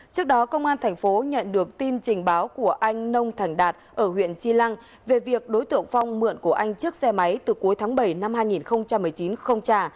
trước đó công an tp nhận được tin trình báo của anh nông thành đạt ở huyện chi lăng về việc đối tượng phong mượn của anh chiếc xe máy từ cuối tháng bảy năm hai nghìn một mươi chín không trả